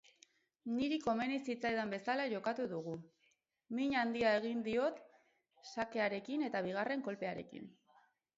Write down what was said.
Niri komeni zitzaidan bezala jokatu dugu. Min handia egin diot sakearekin eta bigarren kolpearekin.